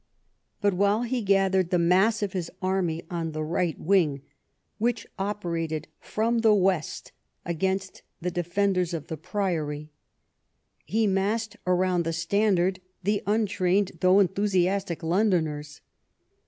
But while he gathered the mass of his army on the right wing which operated from the west against the defenders of the priory, he massed around the standard the un trained though enthusiastic Londoners.